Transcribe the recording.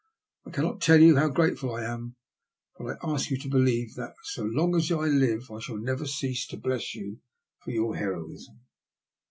I cannot tell you how grateful I am, but I ask you to believe that so long as I live I shall never cease to bless you for your heroism."